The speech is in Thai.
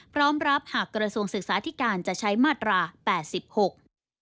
พร้อมรับหากกระทรวงศึกษาธิการจะใช้มาตราแปดสิบหก